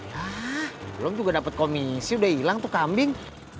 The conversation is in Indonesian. hah belom tuh gue dapet komisi udah ilang tuh kambing